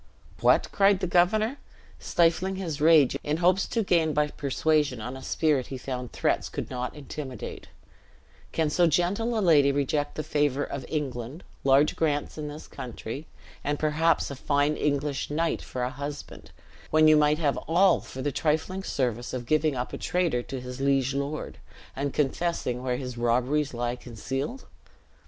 "What?" cried the governor, stifling his rage, in hopes to gain by persuasion on a spirit he found threats could not intimidate; "can so gentle a lady reject the favor of England, large grants in this country, and perhaps a fine English knight for a husband, when you might have all for the trifling service of giving up a traitor to his liege lord, and confessing where his robberies lie concealed?